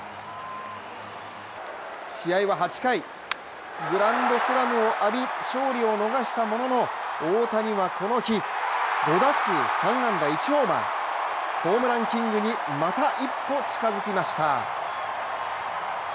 試合は８回、グランドスラムを浴び勝利は逃したものの大谷はこの日、５打数３安打１ホーマー、ホームランキングにまた一歩、近づきました。